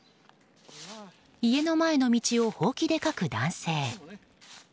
家の前の道をほうきでかく男性。